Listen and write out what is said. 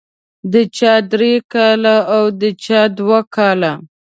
د چا درې کاله او د چا دوه کاله.